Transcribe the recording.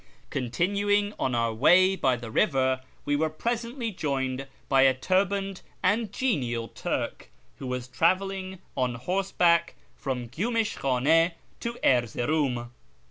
Continu ing on our way by the river, we were presently joined by a turbaned and genial Turk, who was travelling on horseback from Gyumish Khane to Erzeroum.